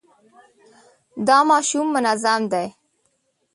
دا ماشوم منظم دی.